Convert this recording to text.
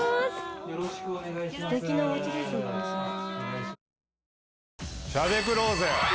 よろしくお願いします。